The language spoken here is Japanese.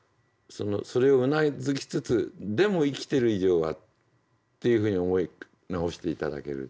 それをうなずきつつでも生きてる以上はっていうふうに思い直して頂ける。